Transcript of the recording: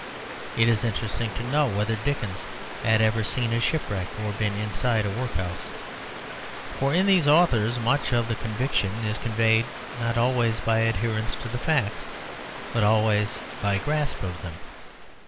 It is interesting to know whether Dickens had ever seen a shipwreck or been inside a workhouse. For in these authors much of the conviction is conveyed, not always by adherence to facts, but always by grasp of them.